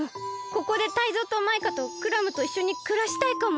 ここでタイゾウとマイカとクラムといっしょにくらしたいかも。